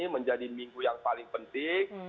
menjadi minggu yang paling penting